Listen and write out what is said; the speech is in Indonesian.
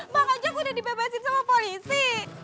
pak ojak udah dibebasin sama polisi